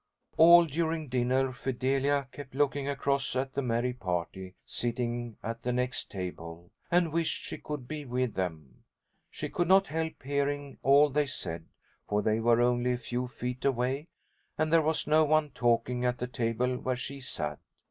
All during dinner Fidelia kept looking across at the merry party sitting at the next table, and wished she could be with them. She could not help hearing all they said, for they were only a few feet away, and there was no one talking at the table where she sat.